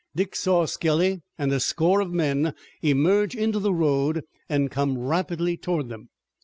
Dick saw Skelly and a score of men emerge into the road and come rapidly toward them.